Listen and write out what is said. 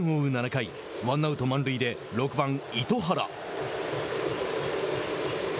７回ワンアウト、満塁で６番、糸原。